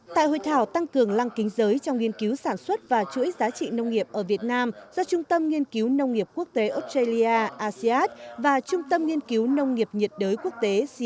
tại hội thảo tăng cường lăng kính giới trong nghiên cứu sản xuất và chuỗi giá trị nông nghiệp ở việt nam do trung tâm nghiên cứu nông nghiệp quốc tế australia asean và trung tâm nghiên cứu nông nghiệp nhiệt đới quốc tế